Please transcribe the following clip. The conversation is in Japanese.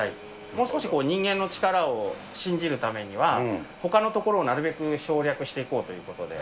もう少し人間の力を信じるためには、ほかのところをなるべく省略していこうということで。